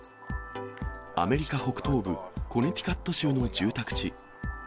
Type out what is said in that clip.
アメリカ北東部コネティカット州の住宅地。